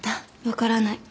わからない。